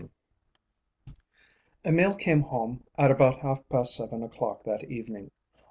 XI Emil came home at about half past seven o'clock that evening.